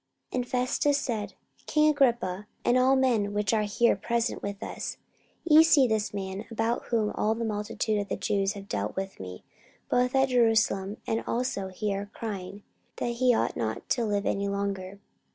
44:025:024 And Festus said, King Agrippa, and all men which are here present with us, ye see this man, about whom all the multitude of the Jews have dealt with me, both at Jerusalem, and also here, crying that he ought not to live any longer.